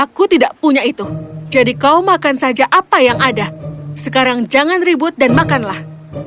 aku tidak punya itu jadi kau makan saja apa yang ada sekarang jangan ribut dan makanlah